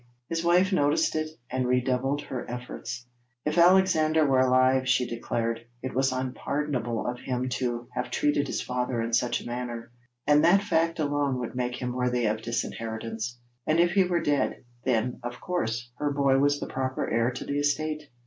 His wife noticed it, and redoubled her efforts. 'If Alexander were alive,' she declared, 'it was unpardonable of him to have treated his father in such a manner, and that fact alone would make him worthy of disinheritance; and if he were dead, then, of course, her boy was the proper heir to the estate.'